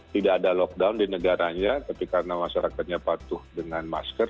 tidak ada lockdown di negaranya tapi karena masyarakatnya patuh dengan masker